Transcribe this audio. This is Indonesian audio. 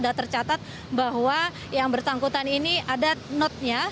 sudah tercatat bahwa yang bersangkutan ini ada notnya